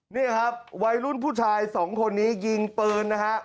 นี่ครับวัยรุ่นผู้ชายสองคนนี้ยิงปืนนะฮะ